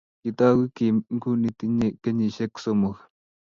Kitaguu Kim Kuni tinyei kenyishiek sosom